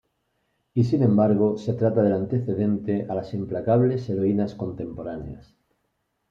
Y sin embargo, se trata del antecedente a las implacables heroínas contemporáneas.